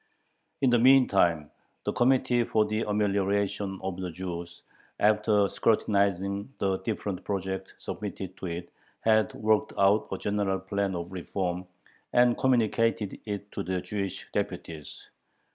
In the meantime the Committee for the Amelioration of the Jews, after scrutinizing the different projects submitted to it, had worked out a general plan of reform, and communicated it to the Jewish deputies.